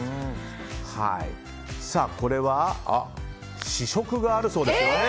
これは試食があるそうです。